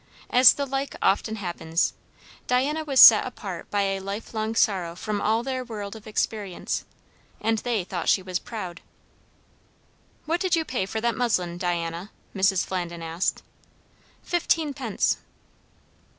As the like often happens, Diana was set apart by a life long sorrow from all their world of experience, and they thought she was proud. "What did you pay for that muslin, Diana?" Mrs. Flandin asked. "Fifteenpence."